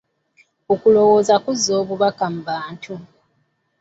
Okulowooza kuzza obubaka mu bantu.